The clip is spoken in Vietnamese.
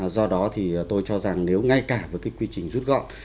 do đó thì tôi cho rằng nếu ngay cả với cái quy trình rút gọn